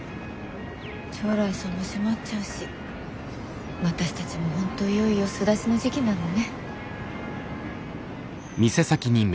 朝來さんも閉まっちゃうし私たちも本当いよいよ巣立ちの時期なのね。